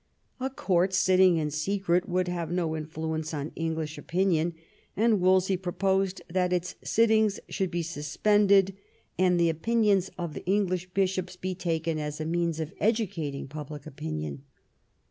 A court sitting in secret would have no influence on English opinion, and Wolsey pro posed that its sittings should be suspended, and the opinions of the English bishops be taken as a means of educating public opinion.